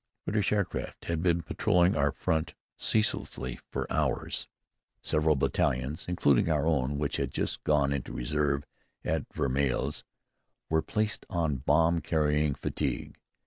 British aircraft had been patrolling our front ceaselessly for hours. Several battalions (including our own which had just gone into reserve at Vermelles) were placed on bomb carrying fatigue.